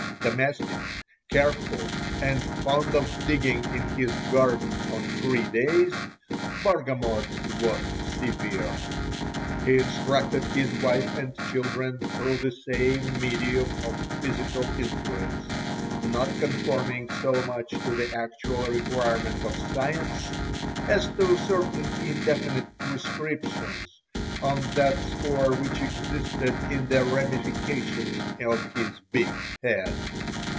Domestic, careful, and fond of digging in his garden on free days, Bargamot was severe. He instructed his wife and children through the same medium of physical influence, not conforming so much to the actual requirement of science as to certain indefinite prescriptions on that score which existed in the ramifications of his big head.